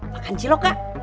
makan cilok kak